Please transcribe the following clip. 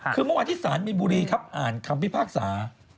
คือมองอธิษฐานมินบุรีครับอ่านคำพิพากษา